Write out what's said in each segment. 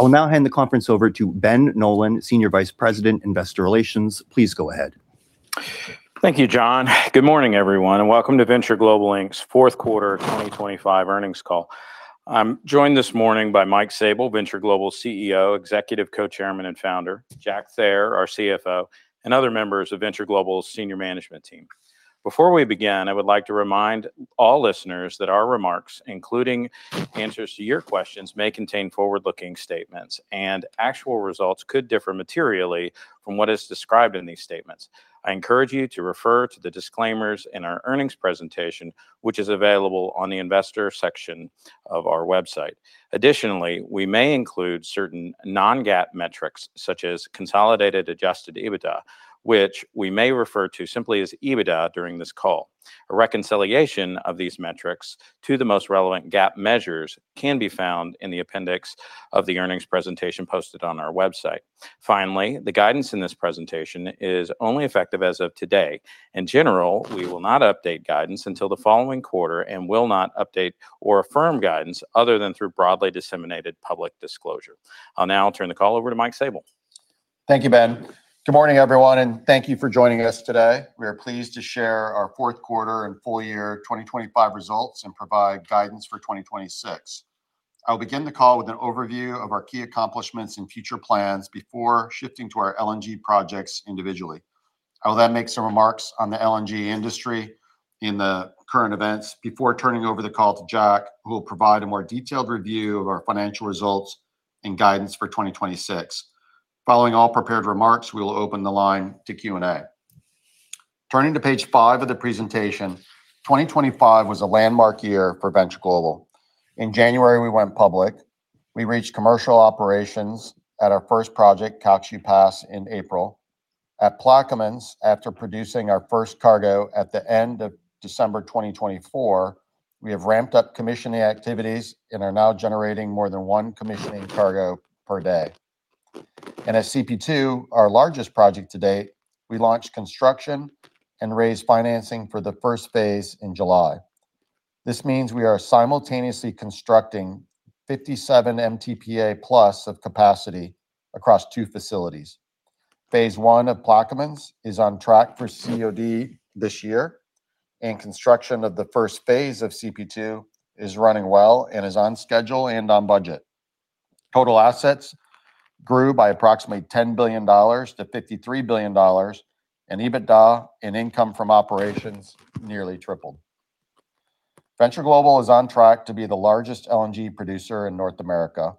I will now hand the conference over to Ben Nolan, Senior Vice President, Investor Relations. Please go ahead. Thank you, John. Good morning, everyone, and welcome to Venture Global LNG's fourth quarter 2025 earnings call. I'm joined this morning by Michael Sabel, Venture Global CEO, Executive Co-Chairman, and Founder, Jack Thayer, our CFO, and other members of Venture Global's senior management team. Before we begin, I would like to remind all listeners that our remarks, including answers to your questions, may contain forward-looking statements and actual results could differ materially from what is described in these statements. I encourage you to refer to the disclaimers in our earnings presentation, which is available on the investor section of our website. Additionally, we may include certain non-GAAP consolidated adjusted EBITDA, which we may refer to simply as EBITDA during this call. A reconciliation of these metrics to the most relevant GAAP measures can be found in the appendix of the earnings presentation posted on our website. The guidance in this presentation is only effective as of today. In general, we will not update guidance until the following quarter and will not update or affirm guidance other than through broadly disseminated public disclosure. I'll now turn the call over to Michael Sabel. Thank you, Ben. Good morning, everyone, thank you for joining us today. We are pleased to share our fourth quarter and full year 2025 results and provide guidance for 2026. I will begin the call with an overview of our key accomplishments and future plans before shifting to our LNG projects individually. I will then make some remarks on the LNG industry in the current events before turning over the call to Jack, who will provide a more detailed review of our financial results and guidance for 2026. Following all prepared remarks, we will open the line to Q&A. Turning to page five of the presentation, 2025 was a landmark year for Venture Global. In January, we went public. We reached commercial operations at our first project, Calcasieu Pass, in April. At Plaquemines, after producing our first cargo at the end of December 2024, we have ramped up commissioning activities and are now generating more than one commissioning cargo per day. At CP2, our largest project to date, we launched construction and raised financing for the first phase in July. This means we are simultaneously constructing 57 MTPA plus of capacity across two facilities. Phase I of Plaquemines is on track for COD this year, and construction of the first phase of CP2 is running well and is on schedule and on budget. Total assets grew by approximately $10 billion to $53 billion, and EBITDA and income from operations nearly tripled. Venture Global is on track to be the largest LNG producer in North America,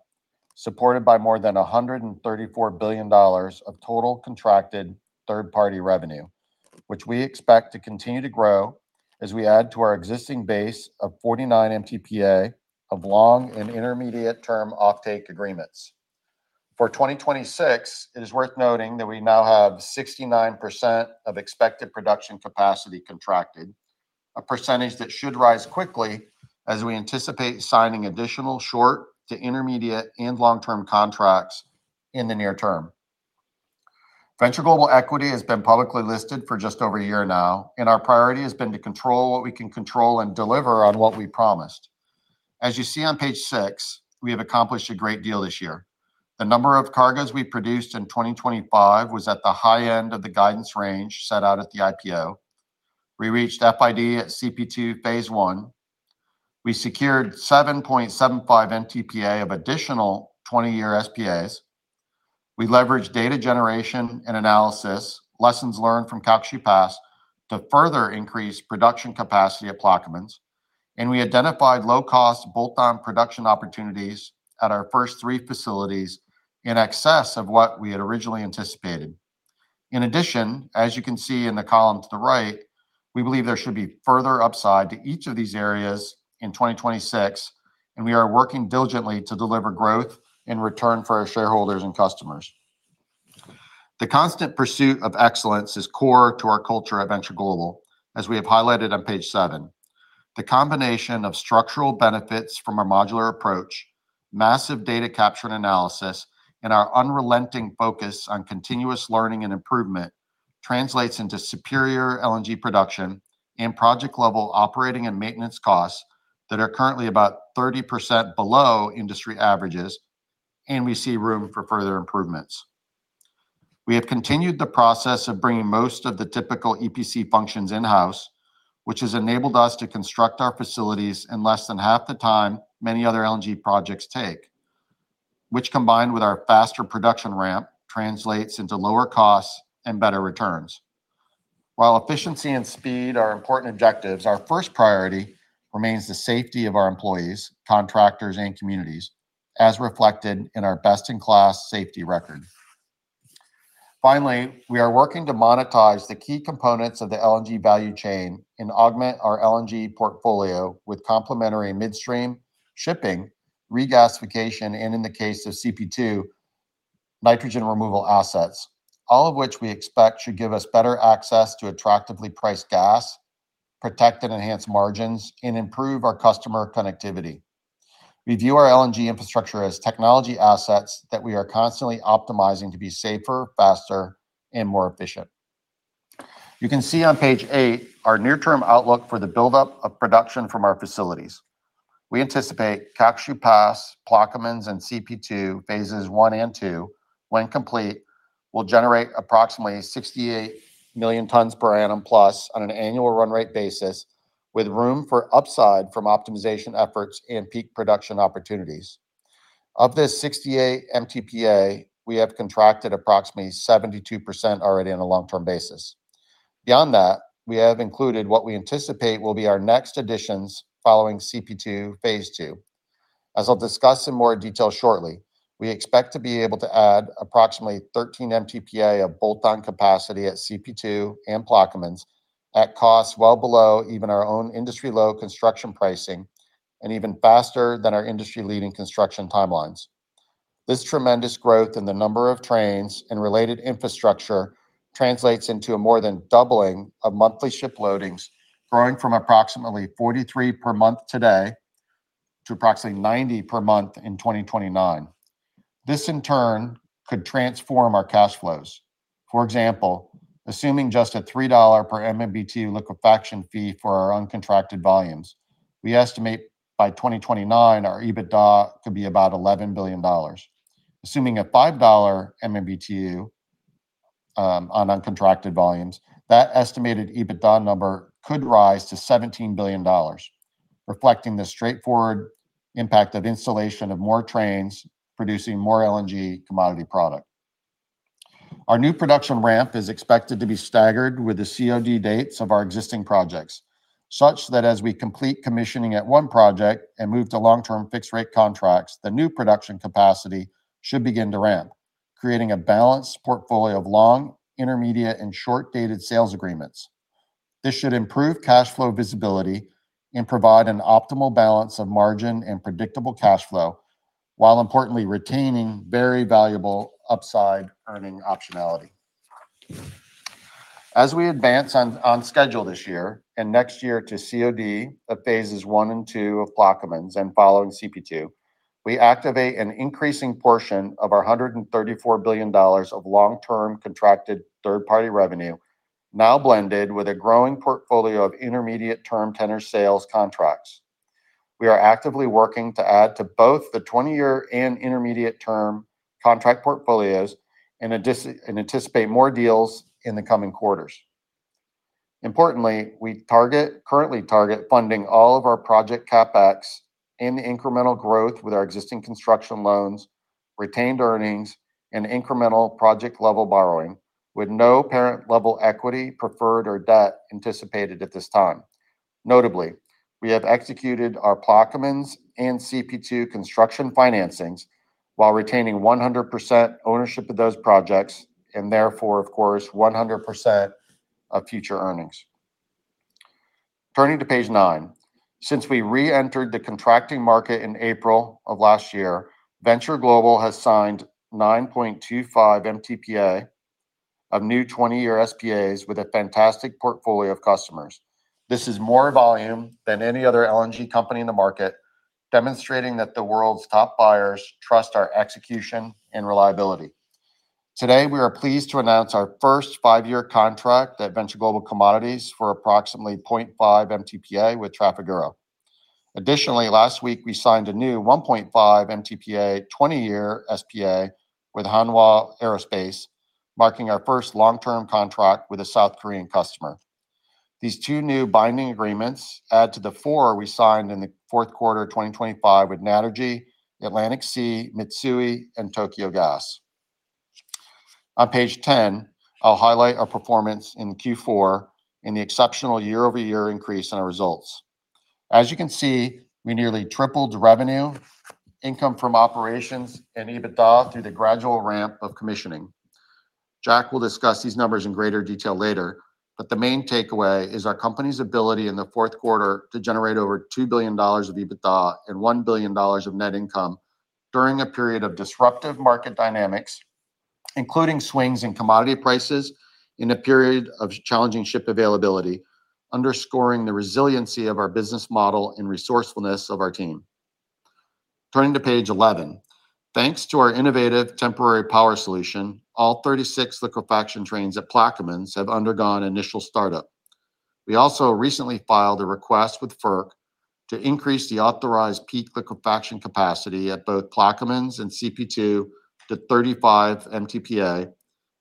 supported by more than $134 billion of total contracted third-party revenue, which we expect to continue to grow as we add to our existing base of 49 MTPA of long and intermediate term offtake agreements. For 2026, it is worth noting that we now have 69% of expected production capacity contracted, a percentage that should rise quickly as we anticipate signing additional short to intermediate and long-term contracts in the near term. Our priority has been to control what we can control and deliver on what we promised. As you see on page six, we have accomplished a great deal this year. The number of cargoes we produced in 2025 was at the high end of the guidance range set out at the IPO. We reached FID at CP2 phase I. We secured 7.75 MTPA of additional 20-year SPAs. We leveraged data generation and analysis, lessons learned from Calcasieu Pass to further increase production capacity at Plaquemines. We identified low cost bolt-on production opportunities at our first three facilities in excess of what we had originally anticipated. In addition, as you can see in the column to the right, we believe there should be further upside to each of these areas in 2026, and we are working diligently to deliver growth in return for our shareholders and customers. The constant pursuit of excellence is core to our culture at Venture Global, as we have highlighted on page seven. The combination of structural benefits from our modular approach, massive data capture and analysis, and our unrelenting focus on continuous learning and improvement translates into superior LNG production and project-level operating and maintenance costs that are currently about 30% below industry averages. We see room for further improvements. We have continued the process of bringing most of the typical EPC functions in-house, which has enabled us to construct our facilities in less than half the time many other LNG projects take, which, combined with our faster production ramp, translates into lower costs and better returns. While efficiency and speed are important objectives, our first priority remains the safety of our employees, contractors, and communities, as reflected in our best-in-class safety record. We are working to monetize the key components of the LNG value chain and augment our LNG portfolio with complementary midstream shipping, regasification, and in the case of CP2, nitrogen removal assets, all of which we expect should give us better access to attractively priced gas, protect and enhance margins, and improve our customer connectivity. We view our LNG infrastructure as technology assets that we are constantly optimizing to be safer, faster, and more efficient. You can see on page eight our near-term outlook for the buildup of production from our facilities. We anticipate Calcasieu Pass, Plaquemines, and CP2 phases I and II, when complete, will generate approximately 68 million tons per annum plus on an annual run rate basis, with room for upside from optimization efforts and peak production opportunities. Of this 68 MTPA, we have contracted approximately 72% already on a long-term basis. Beyond that, we have included what we anticipate will be our next additions following CP2, phase II. I'll discuss in more detail shortly, we expect to be able to add approximately 13 MTPA of bolt-on capacity at CP2 and Plaquemines at costs well below even our own industry-low construction pricing and even faster than our industry-leading construction timelines. This tremendous growth in the number of trains and related infrastructure translates into a more than doubling of monthly ship loadings, growing from approximately 43 per month today to approximately 90 per month in 2029. This, in turn, could transform our cash flows. For example, assuming just a $3 per MMBtu liquefaction fee for our uncontracted volumes, we estimate by 2029 our EBITDA to be about $11 billion. Assuming a $5 MMBtu on uncontracted volumes, that estimated EBITDA number could rise to $17 billion, reflecting the straightforward impact of installation of more trains producing more LNG commodity product. Our new production ramp is expected to be staggered with the COD dates of our existing projects, such that as we complete commissioning at one project and move to long-term fixed rate contracts, the new production capacity should begin to ramp, creating a balanced portfolio of long, intermediate, and short-dated sales agreements. This should improve cash flow visibility and provide an optimal balance of margin and predictable cash flow while importantly retaining very valuable upside earning optionality. As we advance on schedule this year and next year to COD of phases one and two of Plaquemines and following CP2, we activate an increasing portion of our $134 billion of long-term contracted third-party revenue now blended with a growing portfolio of intermediate-term tenor sales contracts. We are actively working to add to both the 20-year and intermediate-term contract portfolios and anticipate more deals in the coming quarters. Importantly, we currently target funding all of our project CapEx and incremental growth with our existing construction loans, retained earnings, and incremental project-level borrowing with no parent-level equity preferred or debt anticipated at this time. Notably, we have executed our Plaquemines and CP2 construction financings while retaining 100% ownership of those projects and therefore, of course, 100% of future earnings. Turning to page nine. Since we reentered the contracting market in April of last year, Venture Global has signed 9.25 MTPA of new 20-year SPAs with a fantastic portfolio of customers. This is more volume than any other LNG company in the market, demonstrating that the world's top buyers trust our execution and reliability. Today, we are pleased to announce our first five-year contract at Venture Global Commodities for approximately 0.5 MTPA with Trafigura. Additionally, last week we signed a new 1.5 MTPA 20-year SPA with Hanwha Aerospace, marking our first long-term contract with a South Korean customer. These two new binding agreements add to the four we signed in the fourth quarter of 2025 with Naturgy, Atlantic-See, Mitsui, and Tokyo Gas. On page 10, I'll highlight our performance in Q4 and the exceptional year-over-year increase in our results. As you can see, we nearly tripled revenue, income from operations, and EBITDA through the gradual ramp of commissioning. Jack will discuss these numbers in greater detail later, but the main takeaway is our company's ability in the fourth quarter to generate over $2 billion of EBITDA and $1 billion of net income during a period of disruptive market dynamics, including swings in commodity prices in a period of challenging ship availability, underscoring the resiliency of our business model and resourcefulness of our team. Turning to page 11. Thanks to our innovative temporary power solution, all 36 liquefaction trains at Plaquemines have undergone initial startup. We also recently filed a request with FERC to increase the authorized peak liquefaction capacity at both Plaquemines and CP2 to 35 MTPA,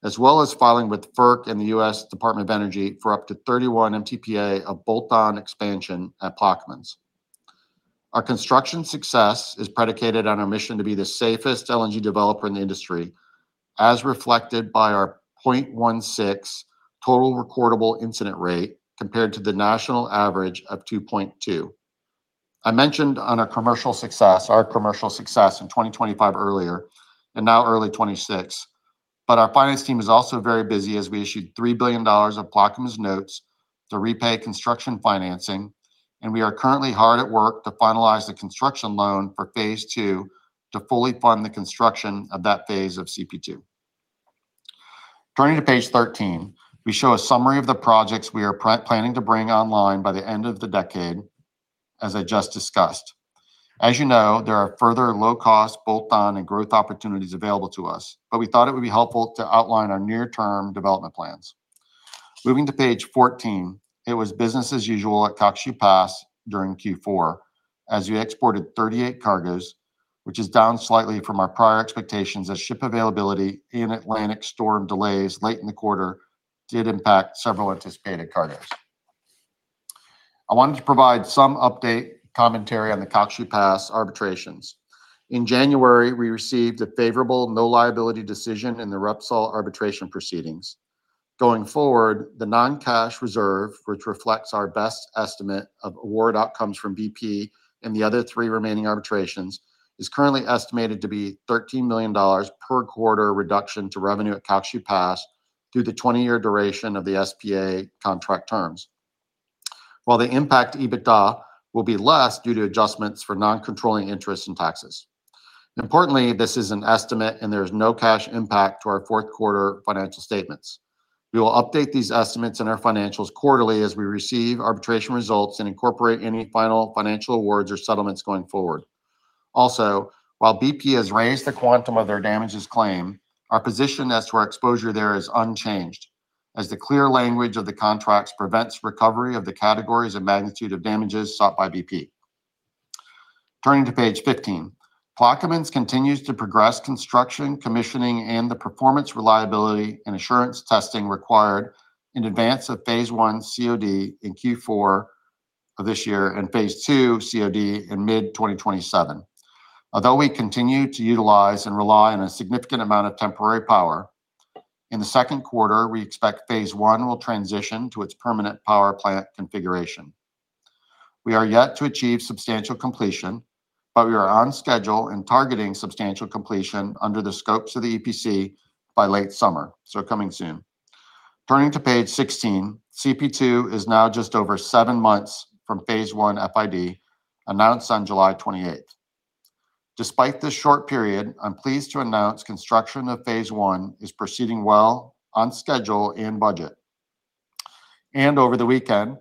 as well as filing with FERC and the U.S. Department of Energy for up to 31 MTPA of bolt-on expansion at Plaquemines. Our construction success is predicated on our mission to be the safest LNG developer in the industry, as reflected by our 0.16 Total Recordable Incident Rate compared to the national average of 2.2. I mentioned on our commercial success, our commercial success in 2025 earlier and now early 2026. Our finance team is also very busy as we issued $3 billion of Plaquemines notes to repay construction financing, and we are currently hard at work to finalize the construction loan for phase II to fully fund the construction of that phase of CP2. Turning to page 13, we show a summary of the projects we are planning to bring online by the end of the decade. As I just discussed. As you know, there are further low-cost bolt-on and growth opportunities available to us, but we thought it would be helpful to outline our near-term development plans. Moving to page 14, it was business as usual at Calcasieu Pass during Q4, as we exported 38 cargoes, which is down slightly from our prior expectations as ship availability and Atlantic storm delays late in the quarter did impact several anticipated cargoes. I wanted to provide some update commentary on the Calcasieu Pass arbitrations. In January, we received a favorable no liability decision in the Repsol arbitration proceedings. Going forward, the non-cash reserve, which reflects our best estimate of award outcomes from BP and the other three remaining arbitrations, is currently estimated to be $13 million per quarter reduction to revenue at Calcasieu Pass through the 20-year duration of the SPA contract terms. The impact EBITDA will be less due to adjustments for non-controlling interest and taxes. Importantly, this is an estimate, and there is no cash impact to our fourth quarter financial statements. We will update these estimates in our financials quarterly as we receive arbitration results and incorporate any final financial awards or settlements going forward. While BP has raised the quantum of their damages claim, our position as to our exposure there is unchanged, as the clear language of the contracts prevents recovery of the categories and magnitude of damages sought by BP. Turning to page 15. Plaquemines continues to progress construction, commissioning, and the performance reliability and assurance testing required in advance of phase I COD in Q4 of this year and phase II COD in mid-2027. We continue to utilize and rely on a significant amount of temporary power, in the second quarter, we expect phase I will transition to its permanent power plant configuration. We are yet to achieve substantial completion, but we are on schedule and targeting substantial completion under the scopes of the EPC by late summer, so coming soon. Turning to page 16, CP2 is now just over seven months from phase I FID, announced on July 28. Despite this short period, I'm pleased to announce construction of phase I is proceeding well on schedule and budget. Over the weekend,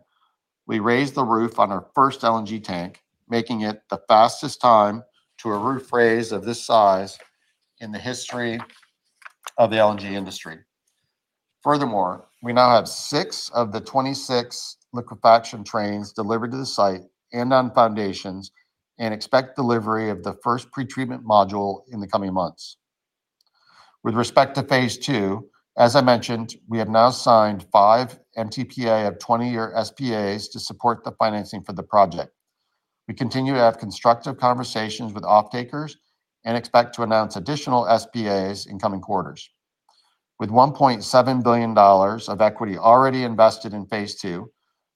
we raised the roof on our 1st LNG tank, making it the fastest time to a roof raise of this size in the history of the LNG industry. Furthermore, we now have six of the 26 liquefaction trains delivered to the site and on foundations and expect delivery of the first pretreatment module in the coming months. With respect to phase II, as I mentioned, we have now signed five MTPA of 20-year SPAs to support the financing for the project. We continue to have constructive conversations with off-takers and expect to announce additional SPAs in coming quarters. With $1.7 billion of equity already invested in phase II,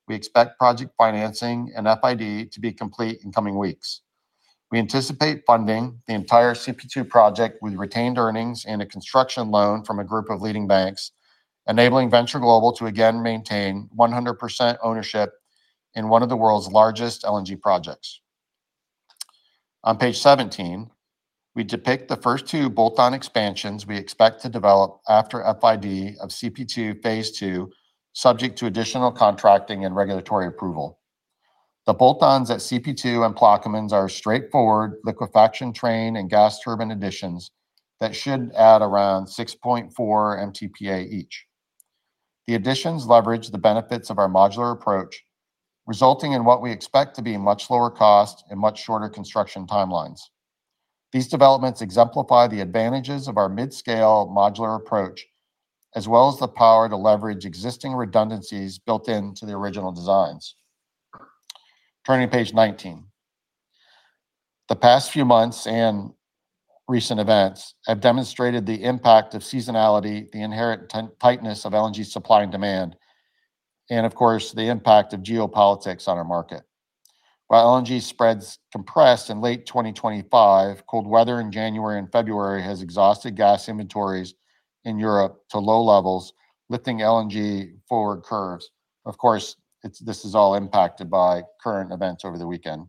we expect project financing and FID to be complete in coming weeks. We anticipate funding the entire CP2 project with retained earnings and a construction loan from a group of leading banks, enabling Venture Global to again maintain 100% ownership in one of the world's largest LNG projects. On page 17, we depict the first two bolt-on expansions we expect to develop after FID of CP2, phase II, subject to additional contracting and regulatory approval. The bolt-ons at CP2 and Plaquemines are straightforward liquefaction train and gas turbine additions that should add around 6.4 MTPA each. The additions leverage the benefits of our modular approach, resulting in what we expect to be much lower cost and much shorter construction timelines. These developments exemplify the advantages of our mid-scale modular approach, as well as the power to leverage existing redundancies built into the original designs. Turning to page 19. The past few months and recent events have demonstrated the impact of seasonality, the inherent tightness of LNG supply and demand, of course, the impact of geopolitics on our market. While LNG spreads compressed in late 2025, cold weather in January and February has exhausted gas inventories in Europe to low levels, lifting LNG forward curves. This is all impacted by current events over the weekend.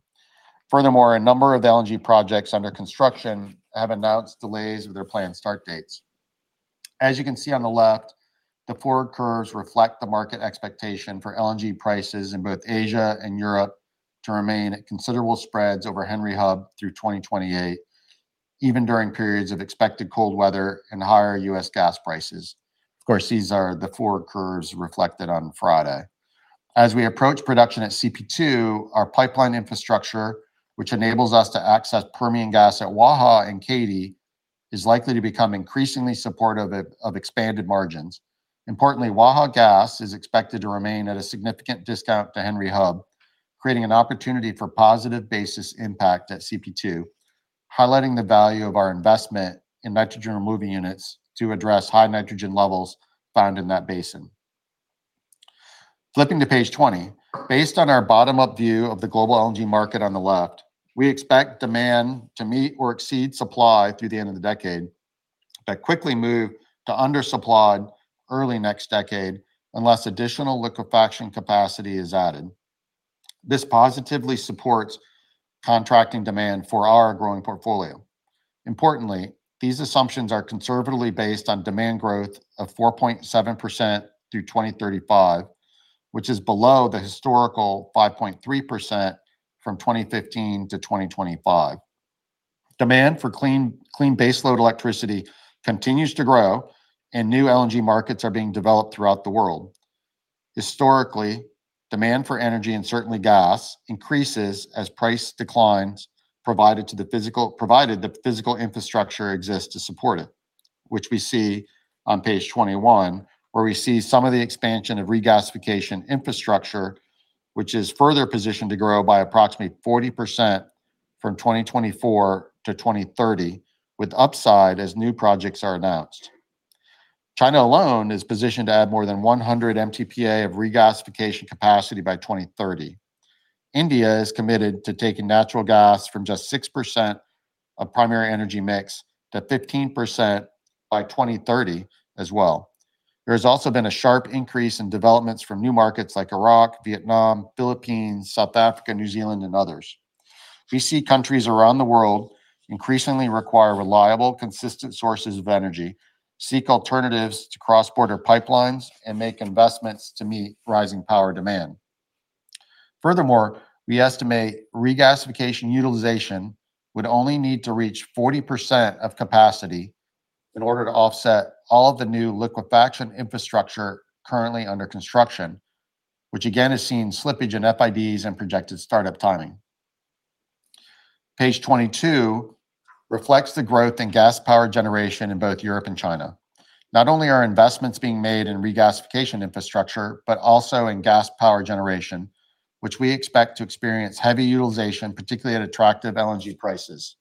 A number of LNG projects under construction have announced delays with their planned start dates. As you can see on the left, the forward curves reflect the market expectation for LNG prices in both Asia and Europe to remain at considerable spreads over Henry Hub through 2028, even during periods of expected cold weather and higher U.S. gas prices. These are the forward curves reflected on Friday. As we approach production at CP2, our pipeline infrastructure, which enables us to access Permian gas at Waha and Katy, is likely to become increasingly supportive of expanded margins. Importantly, Waha gas is expected to remain at a significant discount to Henry Hub, creating an opportunity for positive basis impact at CP2, highlighting the value of our investment in nitrogen removal units to address high nitrogen levels found in that basin. Flipping to page 20. Based on our bottom-up view of the global LNG market on the left, we expect demand to meet or exceed supply through the end of the decade, but quickly move to undersupplied early next decade unless additional liquefaction capacity is added. This positively supports contracting demand for our growing portfolio. Importantly, these assumptions are conservatively based on demand growth of 4.7% through 2035, which is below the historical 5.3% from 2015 to 2025. Demand for clean baseload electricity continues to grow. New LNG markets are being developed throughout the world. Historically, demand for energy and certainly gas increases as price declines provided the physical infrastructure exists to support it, which we see on page 21, where we see some of the expansion of regasification infrastructure, which is further positioned to grow by approximately 40% from 2024 to 2030 with upside as new projects are announced. China alone is positioned to add more than 100 MTPA of regasification capacity by 2030. India is committed to taking natural gas from just 6% of primary energy mix to 15% by 2030 as well. There has also been a sharp increase in developments from new markets like Iraq, Vietnam, Philippines, South Africa, New Zealand and others. We see countries around the world increasingly require reliable, consistent sources of energy, seek alternatives to cross-border pipelines, and make investments to meet rising power demand. Furthermore, we estimate regasification utilization would only need to reach 40% of capacity in order to offset all of the new liquefaction infrastructure currently under construction, which again is seeing slippage in FIDs and projected startup timing. Page 22 reflects the growth in gas-powered generation in both Europe and China. Not only are investments being made in regasification infrastructure, but also in gas power generation, which we expect to experience heavy utilization, particularly at attractive LNG prices.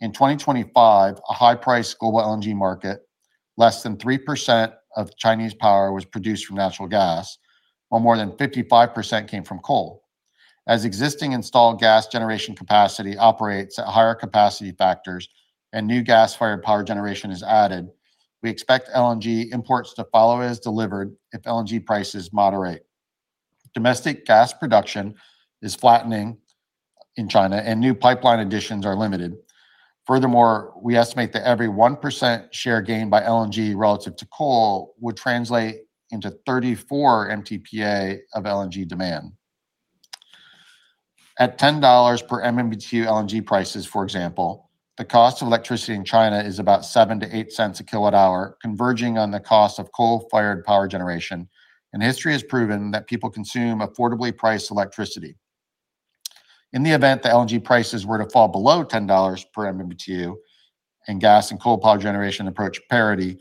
In 2025, a high price global LNG market, less than 3% of Chinese power was produced from natural gas, while more than 55% came from coal. As existing installed gas generation capacity operates at higher capacity factors and new gas-fired power generation is added, we expect LNG imports to follow as delivered if LNG prices moderate. Domestic gas production is flattening in China and new pipeline additions are limited. Furthermore, we estimate that every 1% share gain by LNG relative to coal would translate into 34 MTPA of LNG demand. At $10 per MMBtu LNG prices, for example, the cost of electricity in China is about $0.07-$0.08 a kWh, converging on the cost of coal-fired power generation. History has proven that people consume affordably priced electricity. In the event the LNG prices were to fall below $10 per MMBtu and gas and coal power generation approach parity,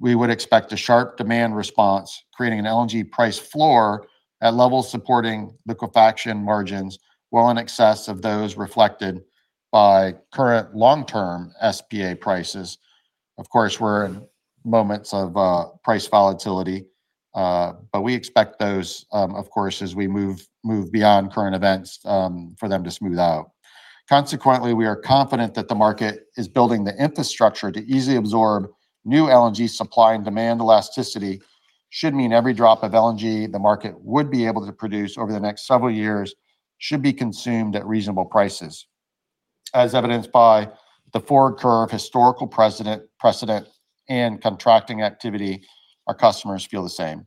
we would expect a sharp demand response, creating an LNG price floor at levels supporting liquefaction margins well in excess of those reflected by current long-term SPA prices. Of course, we're in moments of price volatility, but we expect those, of course, as we move beyond current events, for them to smooth out. Consequently, we are confident that the market is building the infrastructure to easily absorb new LNG supply, and demand elasticity should mean every drop of LNG the market would be able to produce over the next several years should be consumed at reasonable prices. As evidenced by the forward curve historical precedent in contracting activity, our customers feel the same.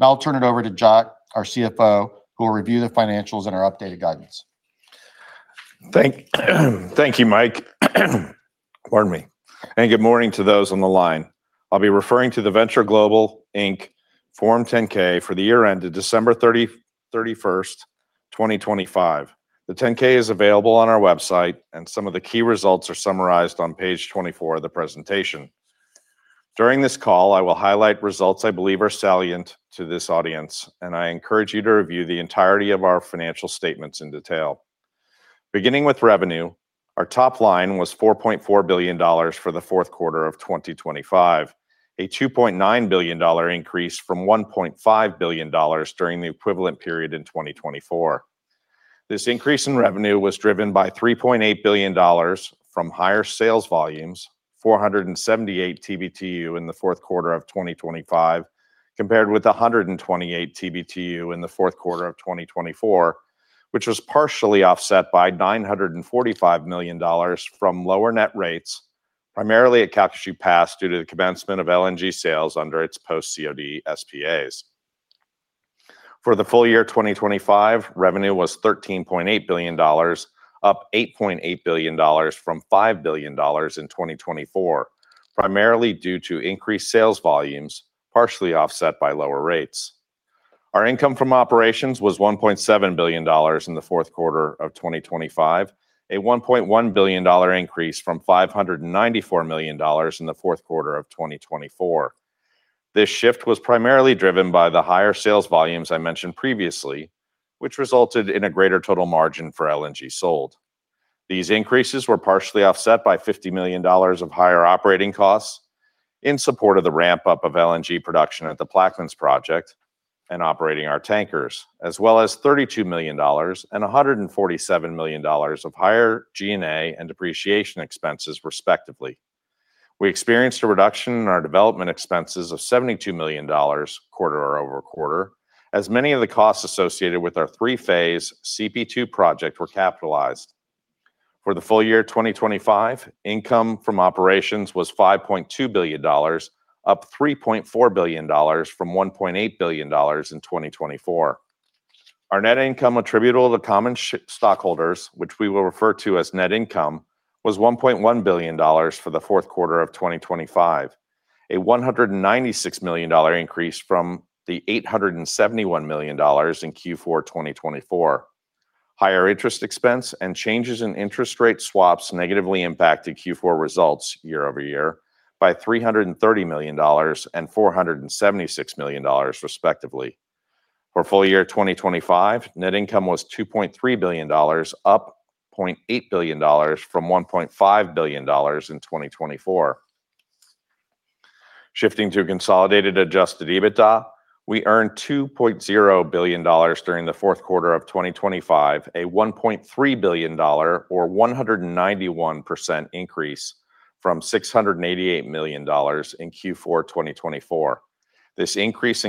I'll turn it over to Jack, our CFO, who will review the financials and our updated guidance. Thank you, Mike. Pardon me. Good morning to those on the line. I'll be referring to the Venture Global LNG, Inc. Form 10-K for the year ended December 31st, 2025. The Form 10-K is available on our website, and some of the key results are summarized on page 24 of the presentation. During this call, I will highlight results I believe are salient to this audience, and I encourage you to review the entirety of our financial statements in detail. Beginning with revenue, our top line was $4.4 billion for the fourth quarter of 2025, a $2.9 billion increase from $1.5 billion during the equivalent period in 2024. This increase in revenue was driven by $3.8 billion from higher sales volumes, 478 TBtu in the fourth quarter of 2025, compared with 128 TBtu in the fourth quarter of 2024, which was partially offset by $945 million from lower net rates, primarily at Calcasieu Pass due to the commencement of LNG sales under its post-COD SPAs. For the full year 2025, revenue was $13.8 billion, up $8.8 billion from $5 billion in 2024, primarily due to increased sales volumes, partially offset by lower rates. Our income from operations was $1.7 billion in the fourth quarter of 2025, a $1.1 billion increase from $594 million in the fourth quarter of 2024. This shift was primarily driven by the higher sales volumes I mentioned previously, which resulted in a greater total margin for LNG sold. These increases were partially offset by $50 million of higher operating costs in support of the ramp-up of LNG production at the Plaquemines project and operating our tankers, as well as $32 million and $147 million of higher G&A and depreciation expenses, respectively. We experienced a reduction in our development expenses of $72 million quarter-over-quarter as many of the costs associated with our three-phase CP2 project were capitalized. For the full year 2025, income from operations was $5.2 billion, up $3.4 billion from $1.8 billion in 2024. Our net income attributable to common stockholders, which we will refer to as net income, was $1.1 billion for the fourth quarter of 2025, a $196 million increase from the $871 million in Q4 2024. Higher interest expense and changes in interest rate swaps negatively impacted Q4 results year-over-year by $330 million and $476 million respectively. For full year 2025, net income was $2.3 billion, up $0.8 billion from $1.5 billion in consolidated adjusted EBITDA, we earned $2.0 billion during the fourth quarter of 2025, a $1.3 billion or 191% increase from $688 million in Q4 2024.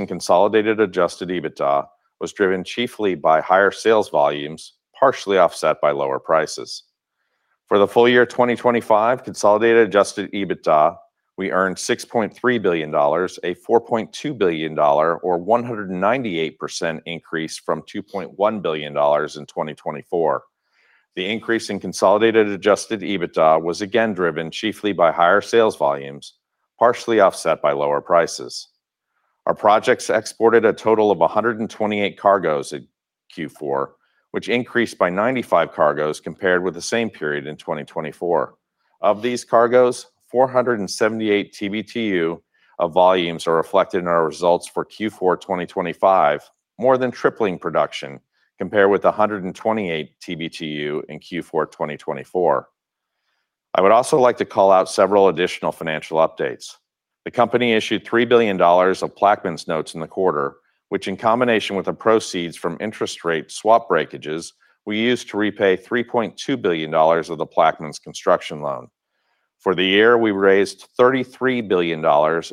consolidated adjusted EBITDA was driven chiefly by higher sales volumes, partially offset by lower prices. For the consolidated adjusted EBITDA, we earned $6.3 billion, a $4.2 billion or 198% increase from $2.1 billion in 2024. consolidated adjusted EBITDA was again driven chiefly by higher sales volumes, partially offset by lower prices. Our projects exported a total of 128 cargos at Q4, which increased by 95 cargos compared with the same period in 2024. Of these cargos, 478 TBtu of volumes are reflected in our results for Q4 2025, more than tripling production compared with 128 TBtu in Q4 2024. I would also like to call out several additional financial updates. The company issued $3 billion of Plaquemines notes in the quarter, which in combination with the proceeds from interest rate swap breakages, we used to repay $3.2 billion of the Plaquemines construction loan. For the year, we raised $33 billion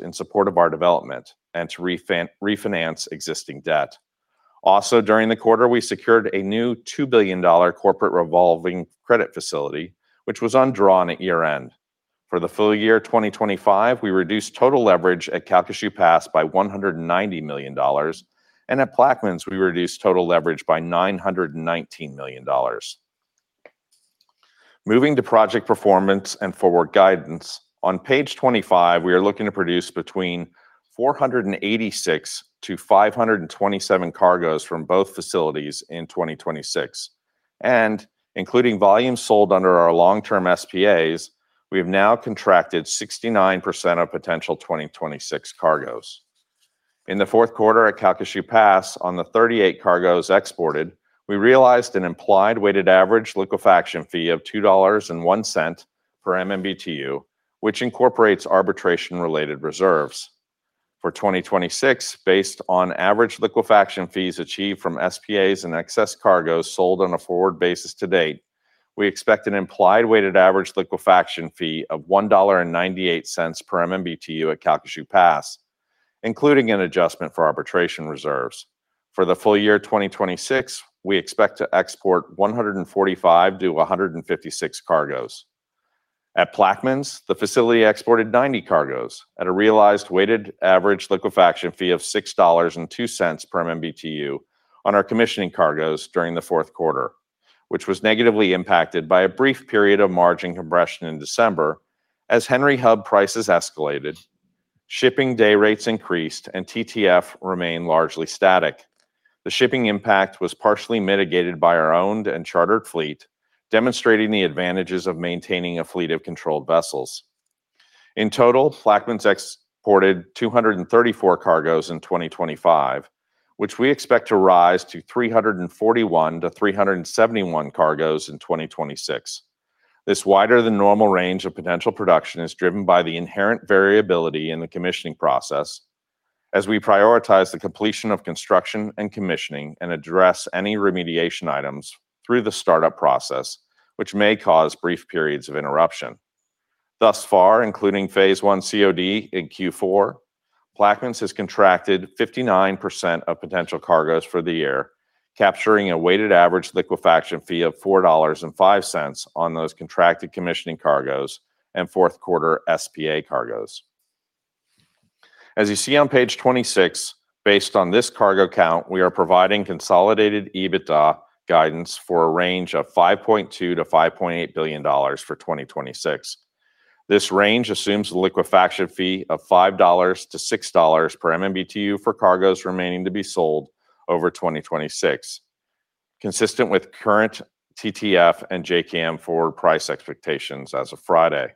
in support of our development and to refinance existing debt. During the quarter, we secured a new $2 billion corporate revolving credit facility, which was undrawn at year-end. For the full year 2025, we reduced total leverage at Calcasieu Pass by $190 million, and at Plaquemines, we reduced total leverage by $919 million. Moving to project performance and forward guidance, on page 25, we are looking to produce between 486 to 527 cargos from both facilities in 2026. Including volumes sold under our long-term SPAs, we have now contracted 69% of potential 2026 cargos. In the fourth quarter at Calcasieu Pass on the 38 cargos exported, we realized an implied weighted average liquefaction fee of $2.01 per MMBtu, which incorporates arbitration-related reserves. For 2026, based on average liquefaction fees achieved from SPAs and excess cargos sold on a forward basis to date, we expect an implied weighted average liquefaction fee of $1.98 per MMBtu at Calcasieu Pass, including an adjustment for arbitration reserves. For the full year 2026, we expect to export 145-156 cargos. At Plaquemines, the facility exported 90 cargos at a realized weighted average liquefaction fee of $6.02 per MMBtu on our commissioning cargos during the fourth quarter, which was negatively impacted by a brief period of margin compression in December as Henry Hub prices escalated, shipping day rates increased, and TTF remained largely static. The shipping impact was partially mitigated by our owned and chartered fleet, demonstrating the advantages of maintaining a fleet of controlled vessels. In total, Plaquemines exported 234 cargos in 2025, which we expect to rise to 341-371 cargos in 2026. This wider than normal range of potential production is driven by the inherent variability in the commissioning process as we prioritize the completion of construction and commissioning and address any remediation items through the startup process, which may cause brief periods of interruption. Thus far, including phase I COD in Q4, Plaquemines has contracted 59% of potential cargos for the year, capturing a weighted average liquefaction fee of $4.05 on those contracted commissioning cargos and fourth quarter SPA cargos. As you see on page 26, based on this cargo count, we are providing consolidated EBITDA guidance for a range of $5.2 billion-$5.8 billion for 2026. This range assumes a liquefaction fee of $5-$6 per MMBtu for cargos remaining to be sold over 2026, consistent with current TTF and JKM forward price expectations as of Friday.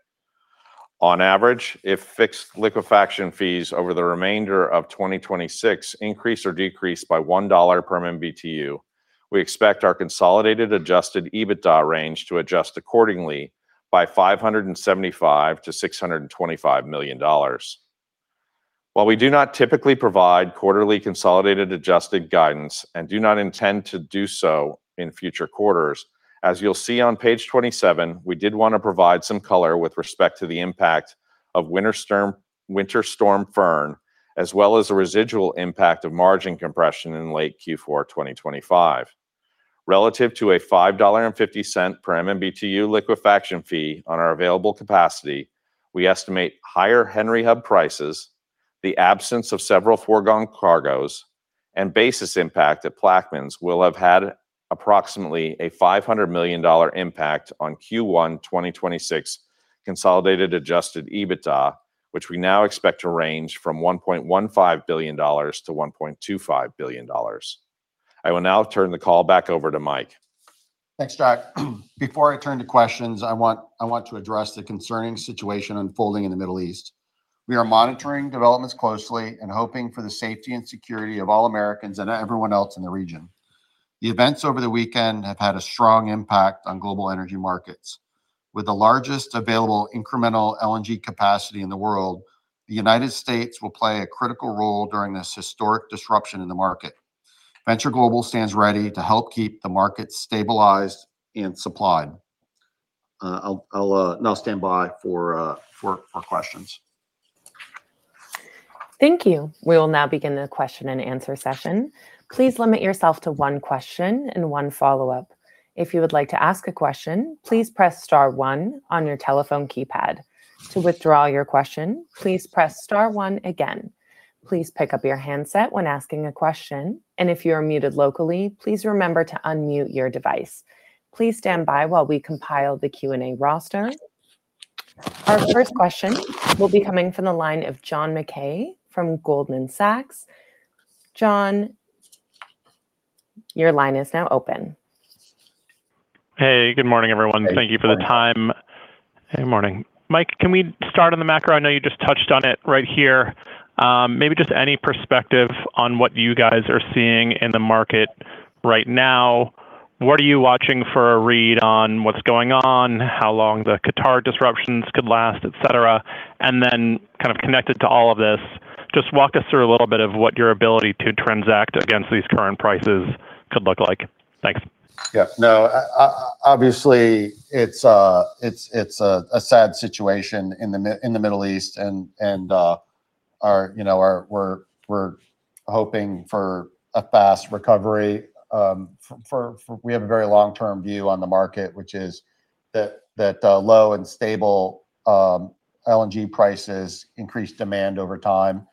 On average, if fixed liquefaction fees over the remainder of 2026 increase or decrease by $1 per MMBtu, consolidated adjusted EBITDA range to adjust accordingly by $575 million-$625 million. We do not typically provide quarterly consolidated adjusted guidance and do not intend to do so in future quarters as you'll see on page 27, we did wanna provide some color with respect to the impact of Winter Storm Fern as well as a residual impact of margin compression in late Q4 2025. Relative to a $5.50 per MMBtu liquefaction fee on our available capacity, we estimate higher Henry Hub prices, the absence of several foregone cargoes, and basis impact at Plaquemines will have had approximately a $500 million impact consolidated adjusted EBITDA, which we now expect to range from $1.15 billion-$1.25 billion. I will now turn the call back over to Mike. Thanks, Jack. Before I turn to questions, I want to address the concerning situation unfolding in the Middle East. We are monitoring developments closely and hoping for the safety and security of all Americans and everyone else in the region. The events over the weekend have had a strong impact on global energy markets. With the largest available incremental LNG capacity in the world, the United States will play a critical role during this historic disruption in the market. Venture Global stands ready to help keep the market stabilized and supplied. I'll now stand by for questions. Thank you. We'll now begin the question and answer session. Please limit yourself to one question and one follow-up. If you would like to ask a question, please press star one on your telephone keypad. To withdraw your question, please press star one again. Please pick up your handset when asking a question. If you are muted locally, please remember to unmute your device. Please stand by while we compile the Q&A roster. Our first question will be coming from the line of John Mackay from Goldman Sachs. John, your line is now open. Hey, good morning, everyone. Hey, good morning. Thank you for the time. Hey, morning. Mike, can we start on the macro? I know you just touched on it right here. Maybe just any perspective on what you guys are seeing in the market right now, what are you watching for a read on what's going on, how long the Qatar disruptions could last, et cetera? Then kind of connected to all of this, just walk us through a little bit of what your ability to transact against these current prices could look like. Thanks. No, obviously, it's a sad situation in the Middle East and, you know, we're hoping for a fast recovery. We have a very long-term view on the market, which is that low and stable LNG prices increase demand over time,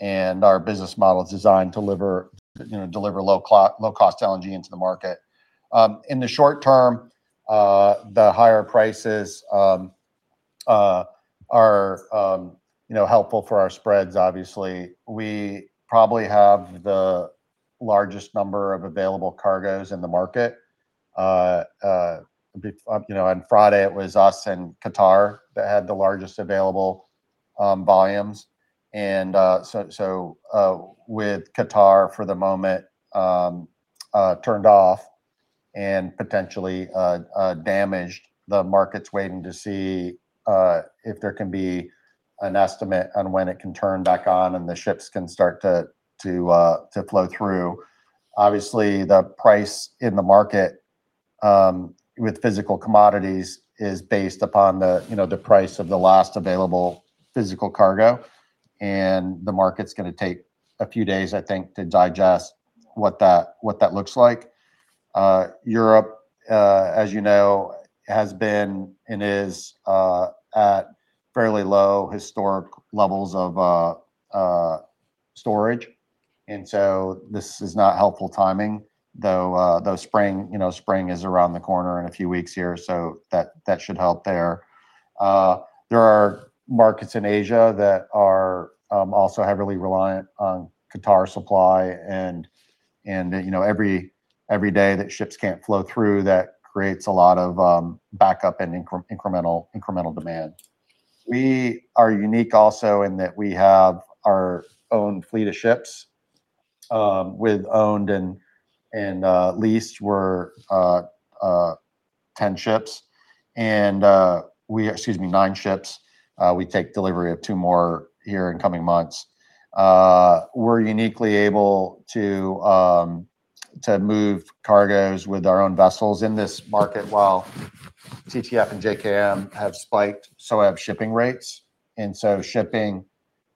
and our business model is designed to deliver, you know, deliver low-cost LNG into the market. In the short term, the higher prices are, you know, helpful for our spreads, obviously. We probably have the largest number of available cargoes in the market. You know, on Friday, it was us and Qatar that had the largest available volumes. So, so, with Qatar for the moment, turned off and potentially damaged, the market's waiting to see if there can be an estimate on when it can turn back on and the ships can start to flow through. Obviously, the price in the market with physical commodities is based upon the, you know, the price of the last available physical cargo, and the market's gonna take a few days, I think, to digest what that, what that looks like. Europe, as you know, has been and is at fairly low historic levels of storage, and so this is not helpful timing. Though spring, you know, spring is around the corner in a few weeks here, so that should help there. There are markets in Asia that are also heavily reliant on Qatar supply and, you know, every day that ships can't flow through, that creates a lot of backup and incremental demand. We are unique also in that we have our own fleet of ships with owned and leased. We're 10 ships and we excuse me, nine ships. We take delivery of two more here in coming months. We're uniquely able to move cargoes with our own vessels in this market. While TTF and JKM have spiked, so have shipping rates. Shipping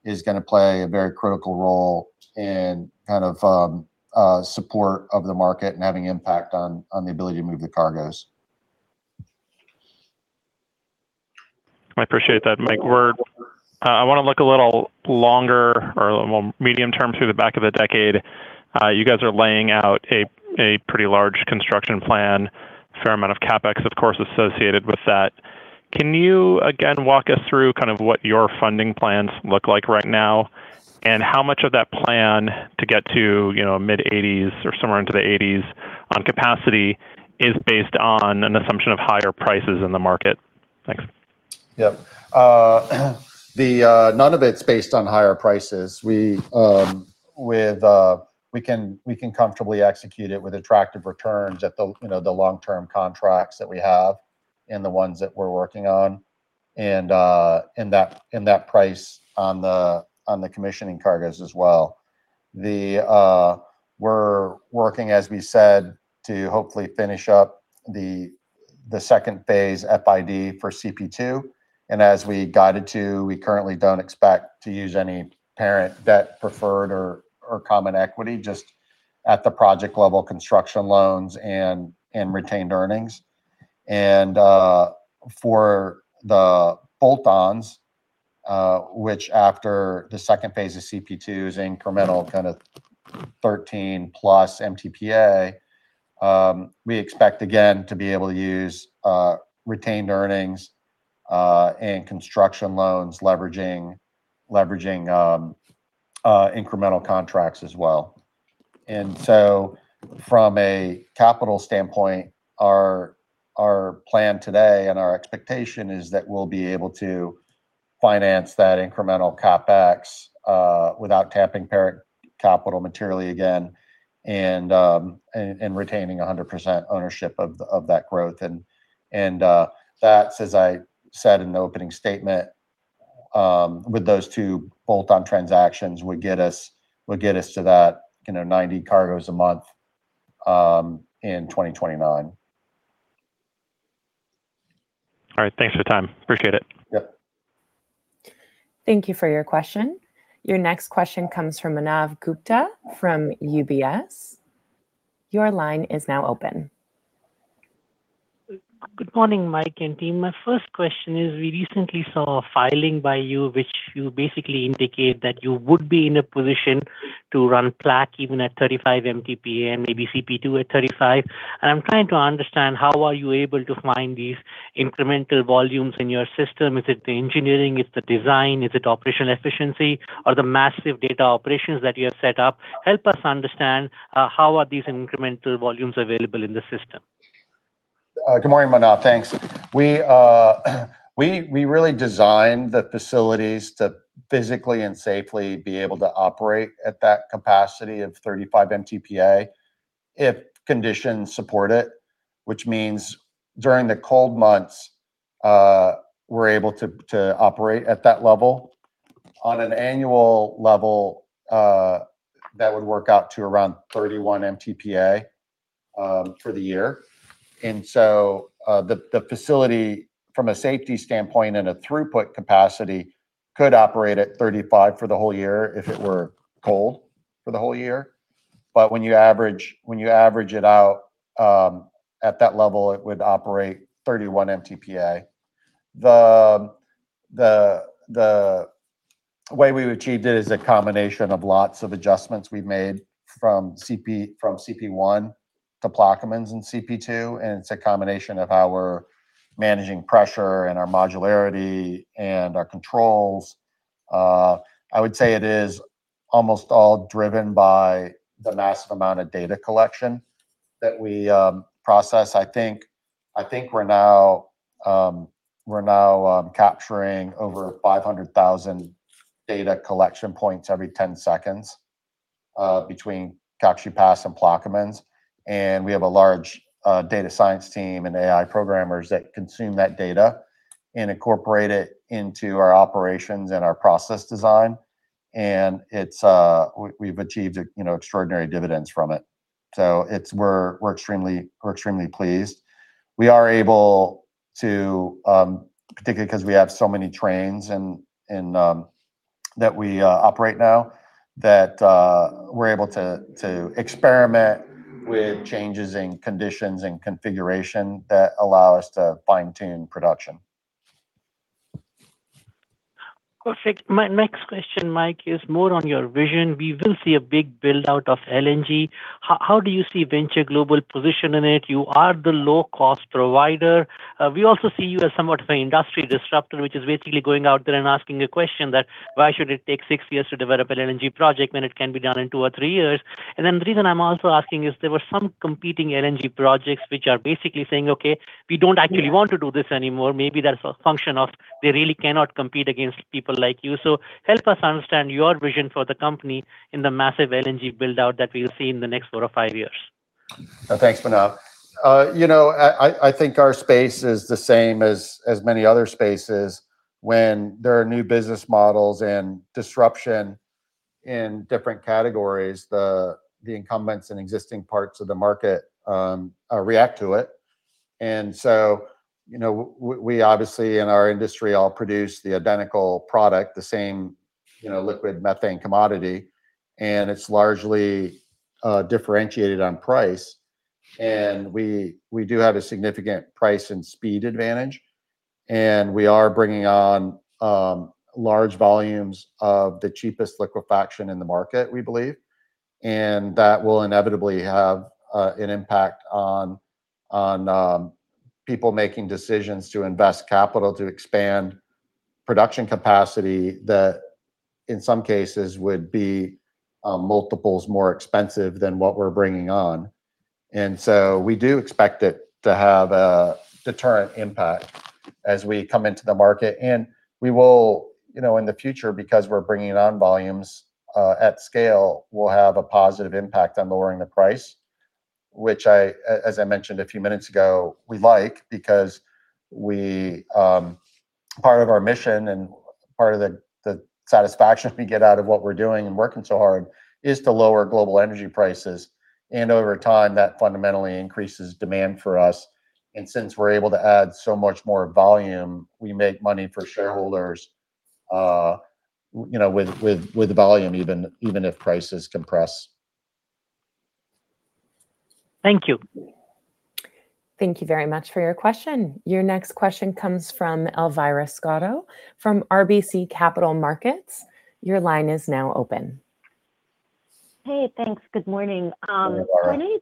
is gonna play a very critical role in kind of support of the market and having impact on the ability to move the cargoes. I appreciate that, Mike. I wanna look a little longer or a little more medium term to the back of the decade. You guys are laying out a pretty large construction plan, a fair amount of CapEx, of course, associated with that. Can you again walk us through kind of what your funding plans look like right now, and how much of that plan to get to, you know, mid-eighties or somewhere into the eighties on capacity is based on an assumption of higher prices in the market? Thanks. Yep. The none of it's based on higher prices. We with we can comfortably execute it with attractive returns at the, you know, the long-term contracts that we have. And the ones that we're working on and that price on the commissioning cargoes as well. The we're working as we said to hopefully finish up the second phase FID for CP2. As we guided to, we currently don't expect to use any parent debt preferred or common equity, just at the project level construction loans and retained earnings. For the bolt-ons, which after the second phase of CP2's incremental kind of 13 plus MTPA, we expect again to be able to use retained earnings and construction loans leveraging incremental contracts as well. From a capital standpoint, our plan today and our expectation is that we'll be able to finance that incremental CapEx without tapping parent capital materially again and retaining 100% ownership of that growth. That's, as I said in the opening statement, with those two bolt-on transactions would get us to that, you know, 90 cargoes a month in 2029. All right. Thanks for the time. Appreciate it. Yep. Thank you for your question. Your next question comes from Manav Gupta from UBS. Your line is now open. Good morning, Mike and team. My first question is we recently saw a filing by you, which you basically indicate that you would be in a position to run Plaqu even at 35 MTPA and maybe CP2 at 35. I'm trying to understand how are you able to find these incremental volumes in your system? Is it the engineering? Is it the design? Is it operational efficiency or the massive data operations that you have set up? Help us understand how are these incremental volumes available in the system. Good morning, Manav. Thanks. We really designed the facilities to physically and safely be able to operate at that capacity of 35 MTPA if conditions support it, which means during the cold months, we're able to operate at that level. On an annual level, that would work out to around 31 MTPA for the year. The facility from a safety standpoint and a throughput capacity could operate at 35 for the whole year if it were cold for the whole year. When you average it out, at that level, it would operate 31 MTPA. The way we've achieved it is a combination of lots of adjustments we've made from CP, from CP1 to Plaquemines and CP2, and it's a combination of how we're managing pressure and our modularity and our controls. I would say it is almost all driven by the massive amount of data collection that we process. I think we're now capturing over 500,000 data collection points every 10 seconds between Calcasieu Pass and Plaquemines. We have a large data science team and AI programmers that consume that data and incorporate it into our operations and our process design. It's we've achieved, you know, extraordinary dividends from it. We're extremely pleased. We are able to, particularly 'cause we have so many trains and that we operate now, that we're able to experiment with changes in conditions and configuration that allow us to fine-tune production. Perfect. My next question, Mike, is more on your vision. We will see a big build-out of LNG. How do you see Venture Global position in it? You are the low-cost provider. We also see you as somewhat of an industry disruptor, which is basically going out there and asking a question that why should it take six years to develop an LNG project when it can be done in two or three years? The reason I'm also asking is there were some competing LNG projects which are basically saying, "Okay, we don't actually want to do this anymore." Maybe that's a function of they really cannot compete against people like you. Help us understand your vision for the company in the massive LNG build-out that we'll see in the next four or five years. Thanks, Manav. you know, I, I think our space is the same as many other spaces when there are new business models and disruption in different categories. The incumbents in existing parts of the market react to it. So, you know, we obviously in our industry all produce the identical product, the same, you know, liquid methane commodity, and it's largely differentiated on price. We do have a significant price and speed advantage, and we are bringing on large volumes of the cheapest liquefaction in the market, we believe. That will inevitably have an impact on people making decisions to invest capital to expand production capacity that in some cases would be multiples more expensive than what we're bringing on. We do expect it to have a deterrent impact. As we come into the market. We will, you know, in the future because we're bringing on volumes at scale, we'll have a positive impact on lowering the price which as I mentioned a few minutes ago, we like because we, part of our mission and part of the satisfaction we get out of what we're doing and working so hard is to lower global energy prices. Over time, that fundamentally increases demand for us. Since we're able to add so much more volume, we make money for shareholders, you know, with volume even if prices compress. Thank you. Thank you very much for your question. Your next question comes from Elvira Scotto from RBC Capital Markets. Your line is now open. Hey, thanks. Good morning. Good morning. I know you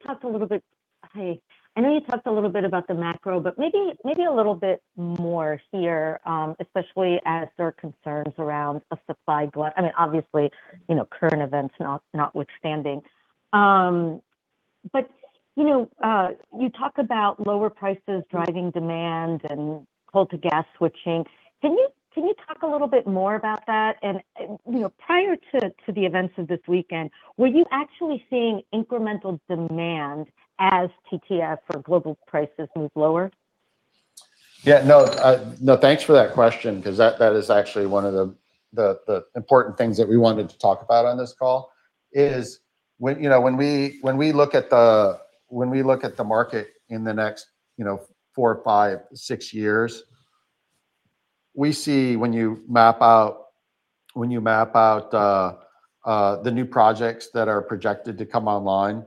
talked a little bit about the macro, but maybe a little bit more here, especially as there are concerns around a supply. I mean, obviously, you know, current events not, notwithstanding. You know, you talk about lower prices driving demand and coal to gas switching. Can you talk a little bit more about that? And, you know, prior to the events of this weekend, were you actually seeing incremental demand as TTF for global prices moved lower? Yeah, no. No, thanks for that question 'cause that is actually one of the important things that we wanted to talk about on this call. Is when, you know, when we look at the market in the next, you know, four or five, six years, we see when you map out the new projects that are projected to come online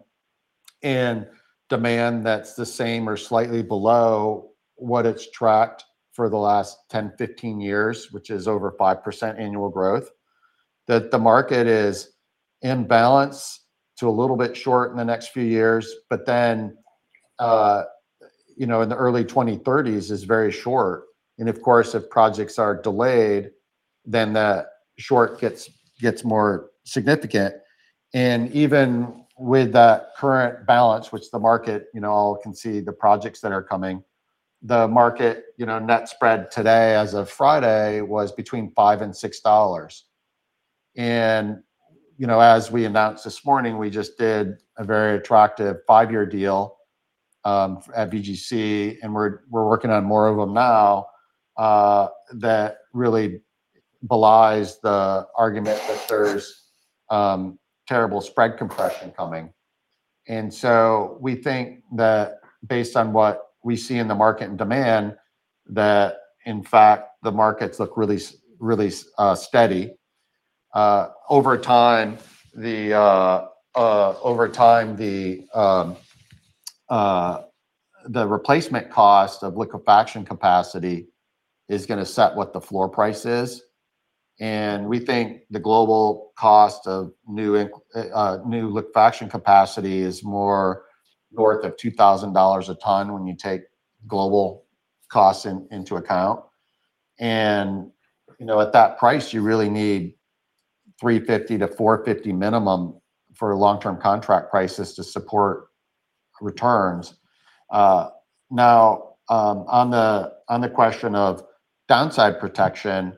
and demand that's the same or slightly below what it's tracked for the last 10, 15 years, which is over 5% annual growth, that the market is in balance to a little bit short in the next few years. You know, in the early 2030s is very short. Of course, if projects are delayed, then the short gets more significant. Even with that current balance, which the market, you know, all can see the projects that are coming, the market, you know, net spread today as of Friday was between $5-$6. You know, as we announced this morning, we just did a very attractive five-year deal, at BGC, and we're working on more of them now, that really belies the argument that there's terrible spread compression coming. We think that based on what we see in the market and demand, that in fact the markets look really steady. Over time, the replacement cost of liquefaction capacity is gonna set what the floor price is. We think the global cost of new new liquefaction capacity is more north of $2,000 a ton when you take global costs into account. You know, at that price, you really need $3.50-$4.50 minimum for long-term contract prices to support returns. Now, on the question of downside protection,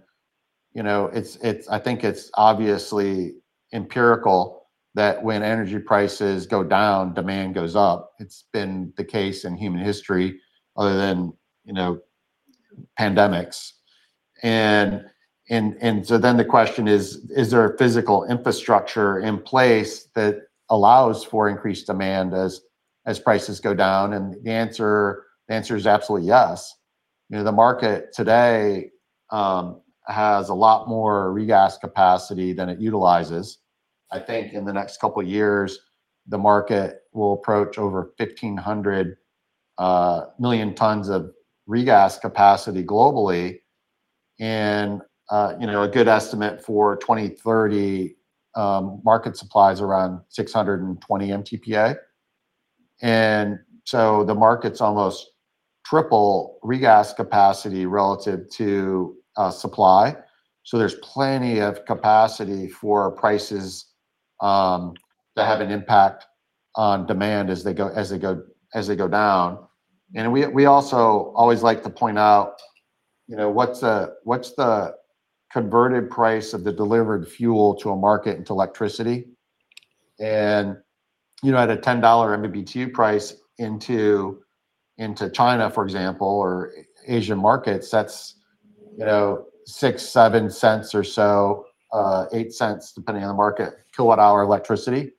you know, it's I think it's obviously empirical that when energy prices go down, demand goes up. It's been the case in human history other than, you know, pandemics. The question is there a physical infrastructure in place that allows for increased demand as prices go down? The answer is absolutely yes. You know, the market today has a lot more regas capacity than it utilizes. I think in the next couple of years, the market will approach over 1,500 million tons of regas capacity globally. You know, a good estimate for 2030 market supply is around 620 MTPA. The market's almost triple regas capacity relative to supply. There's plenty of capacity for prices to have an impact on demand as they go down. We also always like to point out, you know, what's the converted price of the delivered fuel to a market into electricity. You know, at a $10 MMBtu price into China, for example, or Asian markets, that's, you know, $0.06-$0.07 or so, $0.08, depending on the market, kilowatt-hour electricity.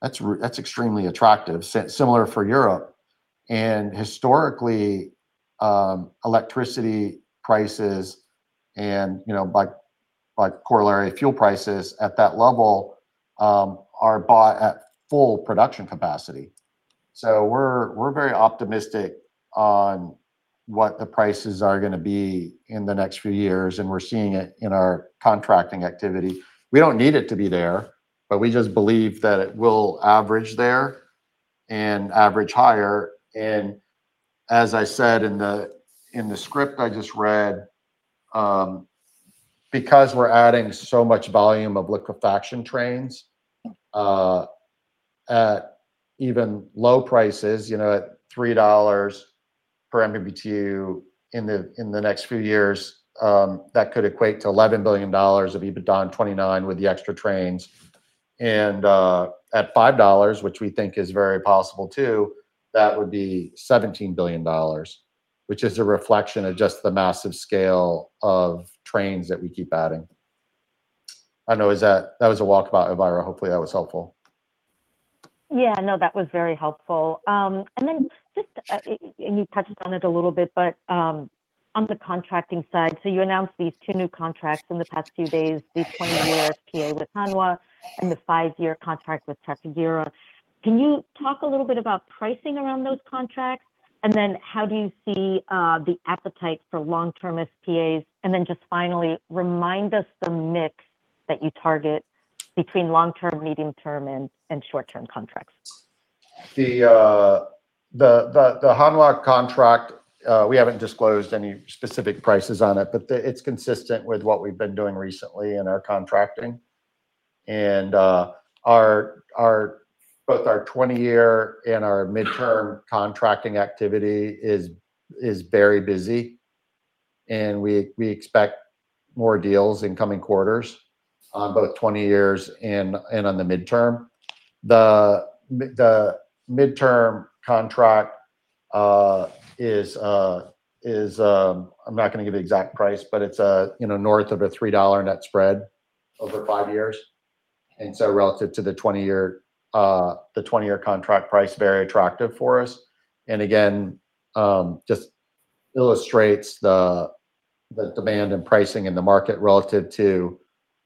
That's extremely attractive. Similar for Europe. Historically, electricity prices and, you know, by corollary, fuel prices at that level are bought at full production capacity. We're very optimistic on what the prices are gonna be in the next few years, and we're seeing it in our contracting activity. We don't need it to be there, but we just believe that it will average there and average higher. As I said in the script I just read, because we're adding so much volume of liquefaction trains at even low prices, you know, at $3 per MMBtu in the next few years, that could equate to $11 billion of EBITDA in 2029 with the extra trains. At $5, which we think is very possible too, that would be $17 billion, which is a reflection of just the massive scale of trains that we keep adding. I know that was a walkabout, Evira. Hopefully, that was helpful. Yeah. No, that was very helpful. You touched on it a little bit, but, on the contracting side, so you announced these two new contracts in the past few days, this 20-year SPA with Hanwha and the five-year contract with Trafigura. Can you talk a little bit about pricing around those contracts? How do you see the appetite for long-term SPAs? Finally, remind us the mix that you target between long-term, medium-term, and short-term contracts. The Hanwha contract, we haven't disclosed any specific prices on it, but it's consistent with what we've been doing recently in our contracting. Our both our 20-year and our midterm contracting activity is very busy, and we expect more deals in coming quarters on both 20 years and on the midterm. The midterm contract is. I'm not gonna give the exact price, but it's, you know, north of a $3 net spread over five years. Relative to the 20-year, the 20-year contract price, very attractive for us. Again, just illustrates the demand in pricing in the market relative to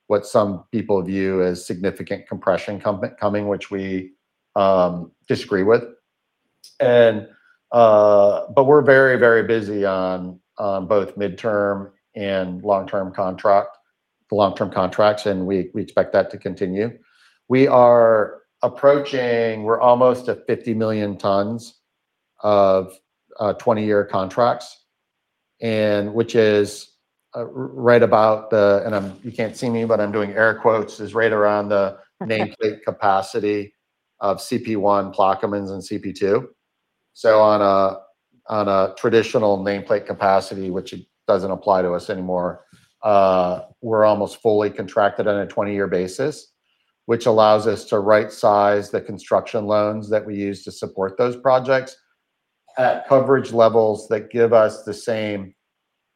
what some people view as significant compression coming, which we disagree with. We're very busy on both midterm and the long-term contracts, and we expect that to continue. We're almost at 50 million tons of 20-year contracts and which is you can't see me, but I'm doing air quotes, is right around the nameplate capacity of CP1, Plaquemines, and CP2. On a traditional nameplate capacity, which it doesn't apply to us anymore, we're almost fully contracted on a 20-year basis, which allows us to right size the construction loans that we use to support those projects at coverage levels that give us the same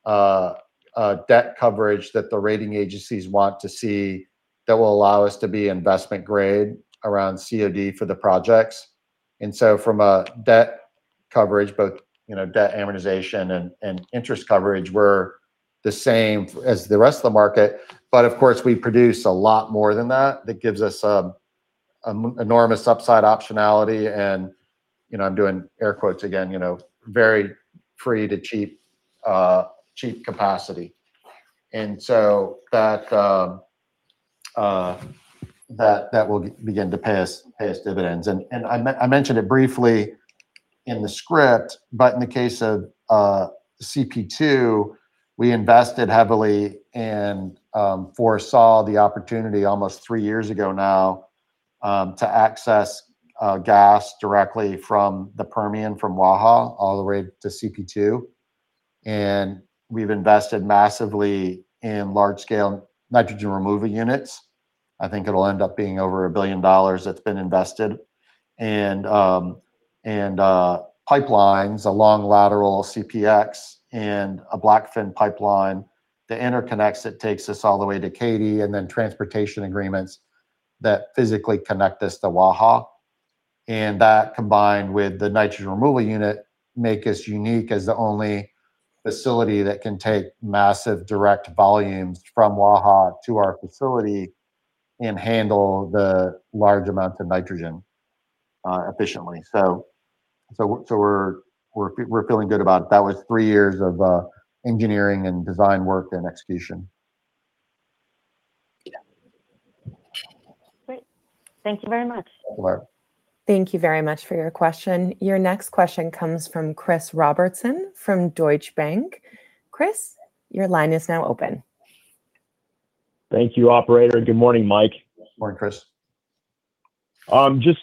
debt coverage that the rating agencies want to see that will allow us to be investment grade around COD for the projects. From a debt coverage, both, you know, debt amortization and interest coverage, we're the same as the rest of the market. Of course, we produce a lot more than that gives us enormous upside optionality and, you know, I'm doing air quotes again, you know, very free to cheap capacity. That will begin to pay us dividends. I mentioned it briefly in the script, but in the case of CP2, we invested heavily and foresaw the opportunity almost three years ago now, to access gas directly from the Permian from Waha all the way to CP2. We've invested massively in large scale Nitrogen Rejection Units. I think it'll end up being over $1 billion that's been invested. Pipelines along lateral CPX and a Blackfin pipeline that interconnects, it takes us all the way to Katy. Transportation agreements that physically connect us to Waha. That combined with the nitrogen removal unit, make us unique as the only facility that can take massive direct volumes from Waha to our facility and handle the large amounts of nitrogen efficiently. We're feeling good about it. That was three years of engineering and design work and execution. Yeah. Great. Thank you very much. Sure. Thank you very much for your question. Your next question comes from Chris Robertson from Deutsche Bank. Chris, your line is now open. Thank you, operator. Good morning, Mike. Morning, Chris. Just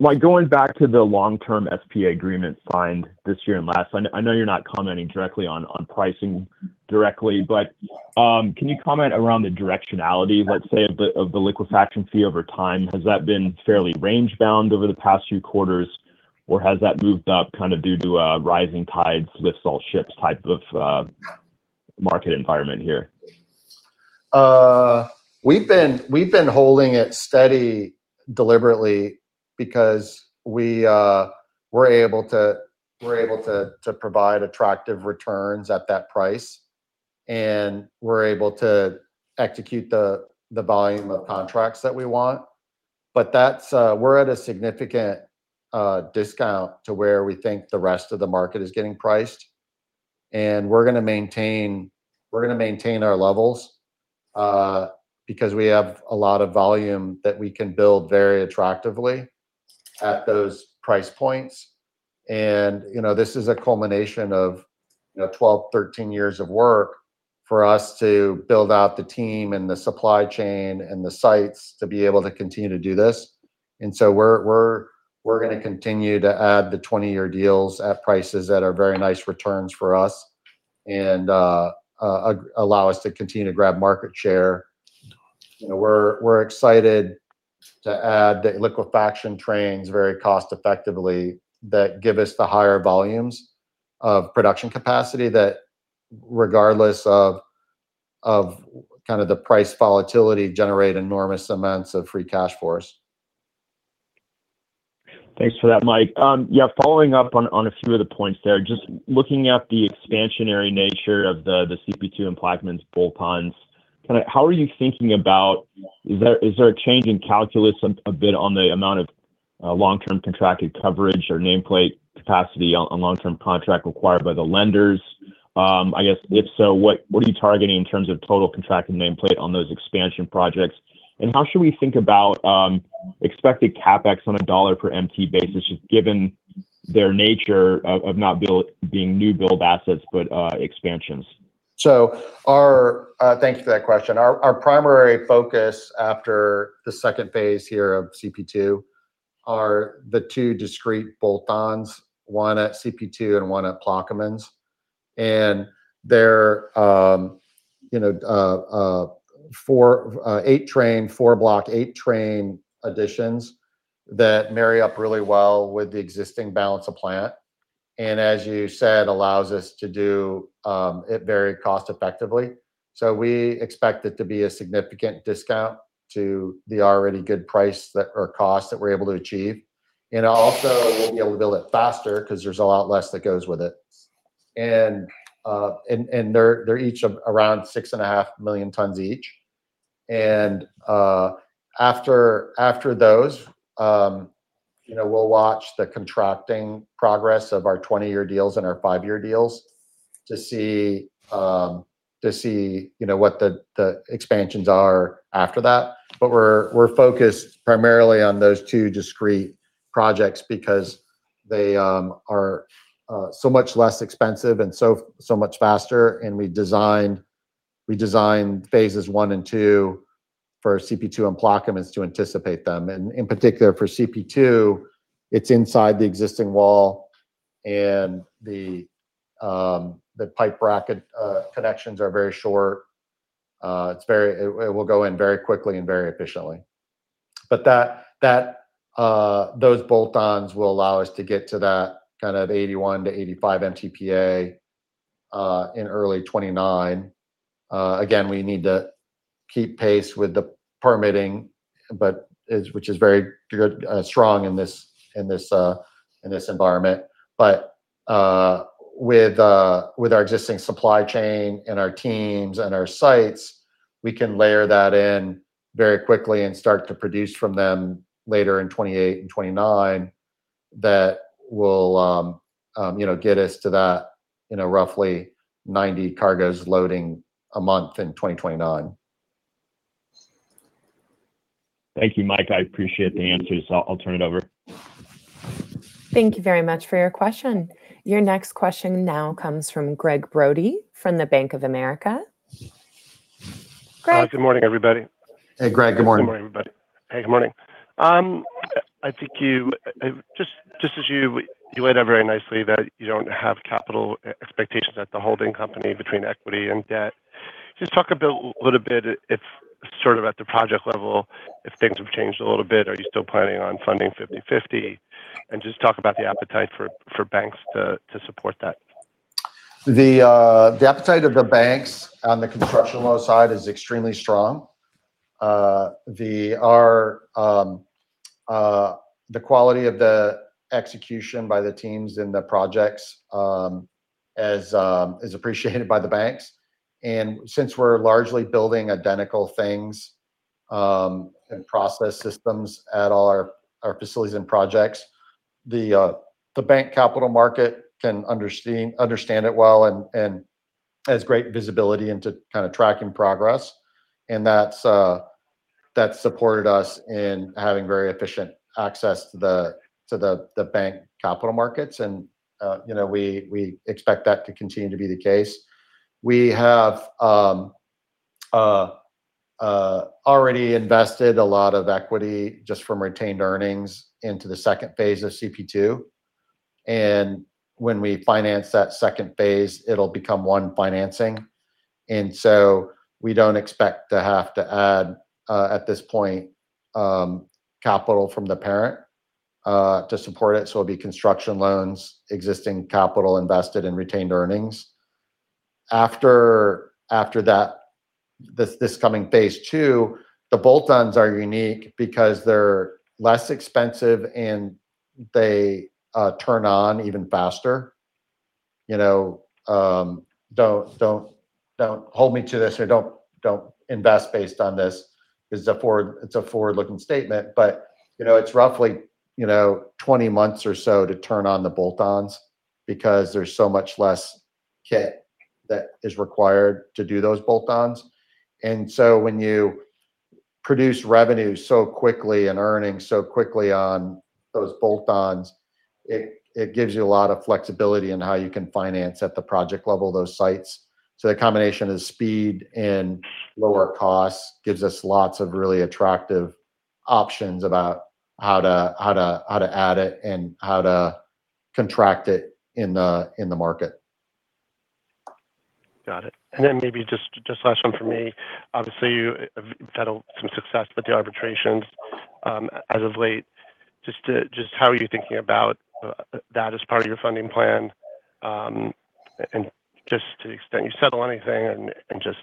like going back to the long-term SPA agreement signed this year and last. I know you're not commenting directly on pricing directly. Can you comment around the directionality, let's say, of the liquefaction fee over time? Has that been fairly range bound over the past few quarters, or has that moved up kind of due to a rising tides lifts all ships type of market environment here? We've been holding it steady deliberately because we're able to provide attractive returns at that price, and we're able to execute the volume of contracts that we want. That's, we're at a significant discount to where we think the rest of the market is getting priced, and we're gonna maintain our levels, because we have a lot of volume that we can build very attractively. At those price points and, you know, this is a culmination of, you know, 12, 13 years of work for us to build out the team and the supply chain and the sites to be able to continue to do this. We're gonna continue to add the 20-year deals at prices that are very nice returns for us and allow us to continue to grab market share. You know, we're excited to add the liquefaction trains very cost effectively that give us the higher volumes of production capacity that regardless of kind of the price volatility generate enormous amounts of free cash for us. Thanks for that, Mike. Yeah, following up on a few of the points there. Just looking at the expansionary nature of the CP2 and Plaquemines bolt-ons, kinda how are you thinking about, is there a change in calculus a bit on the amount of long-term contracted coverage or nameplate capacity on long-term contract required by the lenders? I guess if so, what are you targeting in terms of total contracted nameplate on those expansion projects? How should we think about expected CapEx on a dollar per MT basis, just given their nature of not being new build assets, but expansions? Thank you for that question. Our primary focus after the second phase here of CP2 are the two discrete bolt-ons, one at CP2 and one at Plaquemines. They're, you know, 4, 8 train, 4 block, 8 train additions that marry up really well with the existing balance of plant. As you said, allows us to do it very cost effectively. We expect it to be a significant discount to the already good price that, or cost that we're able to achieve. Also, we'll be able to build it faster because there's a lot less that goes with it. They're each around 6.5 million tons each. After those, you know, we'll watch the contracting progress of our 20-year deals and our five-year deals to see, you know, what the expansions are after that. We're focused primarily on those two discrete projects because they are so much less expensive and so much faster. We designed phases I and II for CP2 and Plaquemines to anticipate them. In particular for CP2, it's inside the existing wall and the pipe bracket connections are very short. It will go in very quickly and very efficiently. That those bolt-ons will allow us to get to that kind of 81-85 MTPA in early 2029. Again, we need to keep pace with the permitting, which is very good, strong in this, in this, in this environment. With our existing supply chain and our teams and our sites, we can layer that in very quickly and start to produce from them later in 2028 and 2029 that will, you know, get us to that in a roughly 90 cargos loading a month in 2029. Thank you, Mike. I appreciate the answers. I'll turn it over. Thank you very much for your question. Your next question now comes from Gregg Brody from the Bank of America. Gregg? Good morning, everybody. Hey, Gregg. Good morning. Good morning, everybody. Hey. Good morning. I think you just as you laid out very nicely that you don't have capital expectations at the holding company between equity and debt. Just talk a little bit if sort of at the project level, if things have changed a little bit. Are you still planning on funding 50/50? Just talk about the appetite for banks to support that. The appetite of the banks on the construction loan side is extremely strong. Our the quality of the execution by the teams in the projects is appreciated by the banks. Since we're largely building identical things and process systems at all our facilities and projects, the bank capital market can understand it well and has great visibility into kind of tracking progress. That's supported us in having very efficient access to the bank capital markets. You know, we expect that to continue to be the case. We have already invested a lot of equity just from retained earnings into the second phase of CP2. When we finance that second phase, it'll become one financing. We don't expect to have to add, at this point, capital from the parent to support it. It'll be construction loans, existing capital invested in retained earnings. After that, this coming phase two, the bolt-ons are unique because they're less expensive and they turn on even faster. You know, don't hold me to this or don't invest based on this. It's a forward, it's a forward-looking statement. You know, it's roughly, you know, 20 months or so to turn on the bolt-ons because there's so much less kit that is required to do those bolt-ons. When you produce revenue so quickly and earnings so quickly on those bolt-ons, it gives you a lot of flexibility in how you can finance at the project level those sites. The combination of speed and lower costs gives us lots of really attractive options about how to add it and how to contract it in the market. Got it. Maybe just last one from me. Obviously, you have had some success with the arbitrations as of late. Just how are you thinking about that as part of your funding plan, and just to the extent you settle anything and just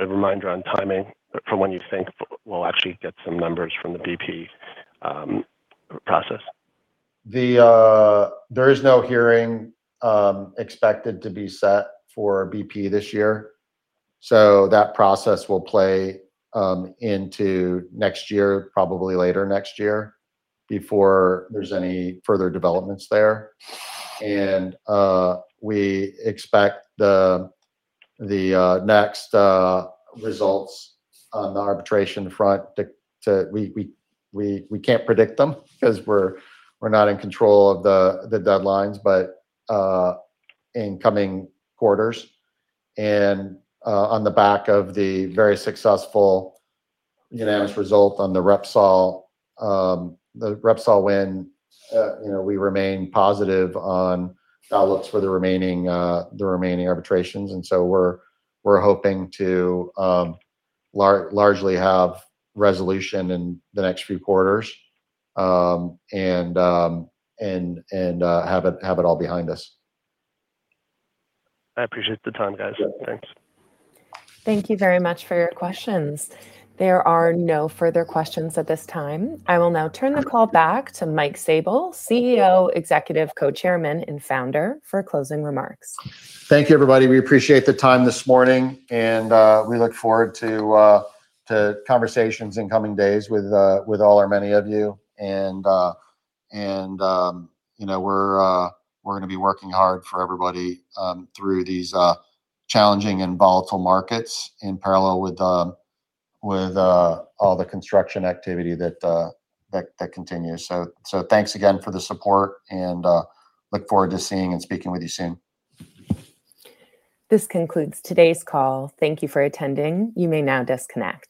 a reminder on timing for when you think we'll actually get some numbers from the BP process? There is no hearing expected to be set for BP this year, so that process will play into next year, probably later next year, before there's any further developments there. We expect the next results on the arbitration front. We can't predict them because we're not in control of the deadlines, but in coming quarters and on the back of the very successful unanimous result on the Repsol, the Repsol win, you know, we remain positive on outlooks for the remaining arbitrations. We're hoping to largely have resolution in the next few quarters and have it all behind us. I appreciate the time, guys. Thanks. Thank you very much for your questions. There are no further questions at this time. I will now turn the call back to Mike Sabel, CEO, Executive Co-Chairman, and Founder, for closing remarks. Thank you, everybody. We appreciate the time this morning, and we look forward to conversations in coming days with all or many of you. You know, we're gonna be working hard for everybody, through these challenging and volatile markets in parallel with all the construction activity that continues. Thanks again for the support, and look forward to seeing and speaking with you soon. This concludes today's call. Thank you for attending. You may now disconnect.